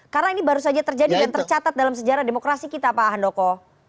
karena ini baru saja terjadi dan tercatat dalam sejarah demokrasi kita pak andoko